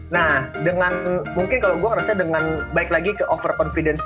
nah dengan mungkin kalau gue ngerasa dengan baik lagi ke over confidence